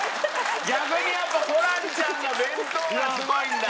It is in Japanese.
逆にやっぱホランちゃんの弁当がすごいんだよ。